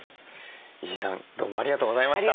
石井さんどうもありがとうございました。